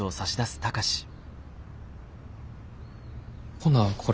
ほなこれ。